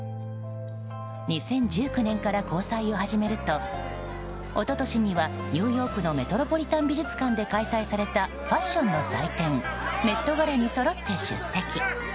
２０１９年から交際を始めると一昨年にはニューヨークのメトロポリタン美術館で開催されたファッションの祭典メットガラにそろって出席。